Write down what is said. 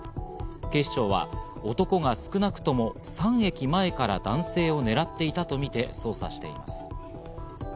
警視庁は男が少なくとも３駅前から男性を狙っていたとみて捜査しています。